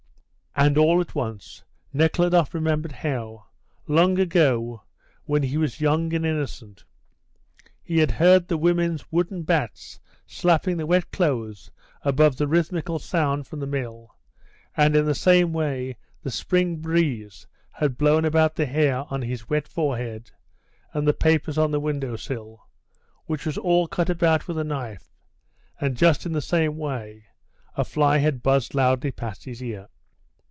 And all at once Nekhludoff remembered how, long ago, when he was young and innocent, he had heard the women's wooden bats slapping the wet clothes above the rhythmical sound from the mill, and in the same way the spring breeze had blown about the hair on his wet forehead and the papers on the window sill, which was all cut about with a knife, and just in the same way a fly had buzzed loudly past his car.